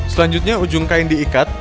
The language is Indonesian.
selanjutnya ujung kain diikat